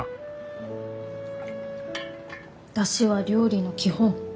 出汁は料理の基本。